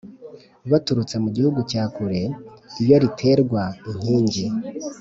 Baturutse mu gihugu cya kure, iyo riterwa inkingi,